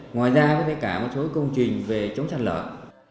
ngoài ra có thể cả một số công trình về chống sát lợi